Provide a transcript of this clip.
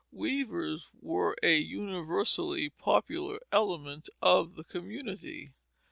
Weavers were a universally popular element of the community.